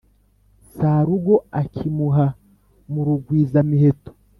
sarugo akimuka mu rugwiza-miheto!